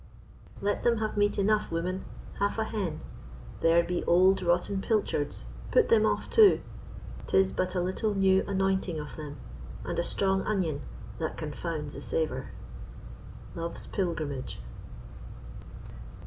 Let them have meat enough, woman—half a hen; There be old rotten pilchards—put them off too; 'Tis but a little new anointing of them, And a strong onion, that confounds the savour. Love's Pilgrimage.